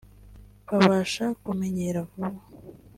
babasha kumenyera vuba